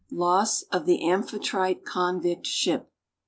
LOSS OF THE AMPHITRITE CONVICT SHIP.